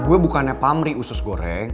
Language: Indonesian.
gue bukannya pamri usus goreng